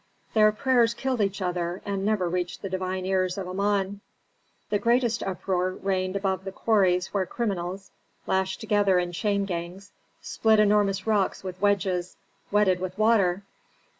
Their prayers killed each other and never reached the divine ears of Amon. The greatest uproar reigned above the quarries where criminals, lashed together in chain gangs, split enormous rocks with wedges, wetted with water.